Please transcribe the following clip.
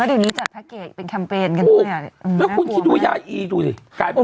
แล้วเดี๋ยวนี้จัดแพ็กเกจเป็นแคมเปญกันด้วยอ่ะอืมน่ากลัวไหมแล้วคุณคิดดูยาอีดูสิ